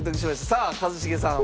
さあ一茂さん。